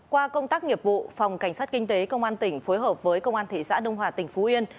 qua công tác nghiệp vụ phòng cảnh sát kinh tế công an tỉnh phối hợp với công an thị xã đông hòa tỉnh phú yên